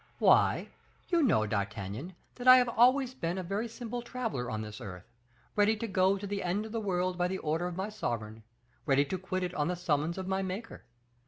"Why, you know, D'Artagnan, that I have always been a very simple traveler on this earth, ready to go to the end of the world by the order of my sovereign; ready to quit it at the summons of my Maker.